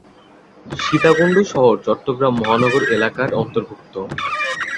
সীতাকুণ্ড শহর চট্টগ্রাম মহানগর এলাকার অন্তর্ভুক্ত।